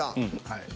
はい。